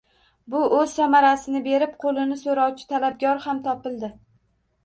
Bu o`z samarasini berib, qo`lini so`rovchi talabgor ham topildi